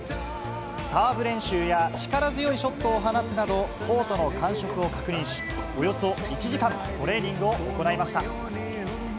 サーブ練習や力強いショットを放つなど、コートの感触を確認し、およそ１時間、トレーニングを行いました。